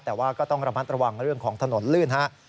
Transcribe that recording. แต่ว่าก็ต้องระมัดระวังเรื่องของถนนลื่นครับ